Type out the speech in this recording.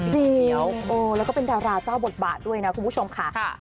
จริงแล้วแล้วก็เป็นดาราเจ้าบทบาทด้วยนะคุณผู้ชมค่ะ